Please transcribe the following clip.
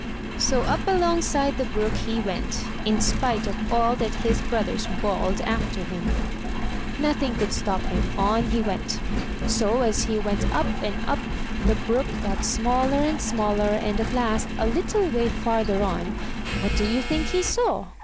So up alongside the brook he went, in spite of all that his brothers bawled after him. Nothing could 241 MY BOOK HOUSE stop him. On he went. So, as he went up and up, the brook got smaller and smaller, and at last, a little way farther on, what do you think he saw?